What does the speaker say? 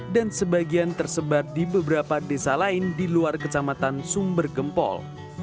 dan sebagian tersebar di beberapa desa lain di luar kecamatan sumber gempol